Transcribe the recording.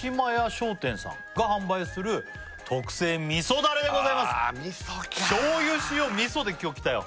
商店さんが販売する特製みそだれでございますあ味噌か醤油塩味噌で今日きたよ